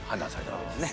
そうですね。